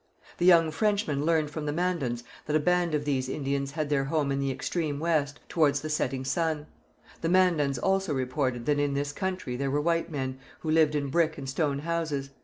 The young Frenchmen learned from the Mandans that a band of these Indians had their home in the extreme West, towards the setting sun. The Mandans also reported that in this country there were white men, who lived in brick and stone houses.